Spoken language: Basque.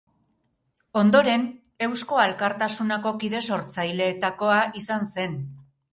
Ondoren, Eusko Alkartasunako kide sortzaileetakoa izan zen.